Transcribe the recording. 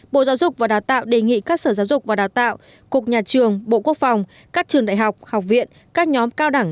bộ giáo dục và đào tạo đề nghị các sở giáo dục và đào tạo cục nhà trường bộ quốc phòng các trường đại học học viện các nhóm cao đẳng